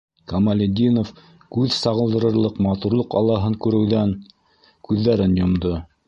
Камалетдинов күҙ сағылдырырлыҡ матурлыҡ аллаһын күреүҙән күҙҙәрен йомдо.